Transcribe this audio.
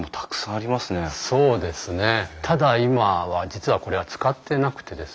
ただ今は実はこれは使ってなくてですね